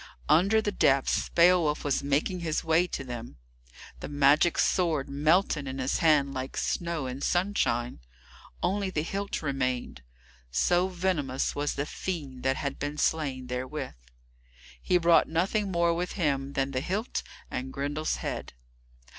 Under the depths, Beowulf was making his way to them. The magic sword melted in his hand, like snow in sunshine; only the hilt remained, so venomous was the fiend that had been slain therewith. He brought nothing more with him than the hilt and Grendel's head.